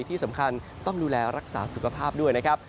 ที่สำคัญต้องดูแลรักษาสุขภาพด้วยนะครับ